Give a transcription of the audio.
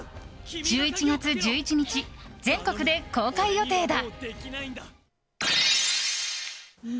１１月１１日、全国で公開予定だ。